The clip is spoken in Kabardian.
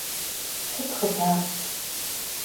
Sıt xhıbar?